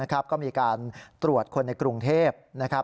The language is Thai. ก็มีการตรวจคนในกรุงเทพ